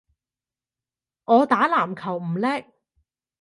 我打籃球唔叻